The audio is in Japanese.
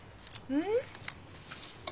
うん？